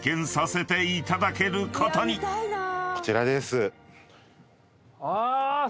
こちらです。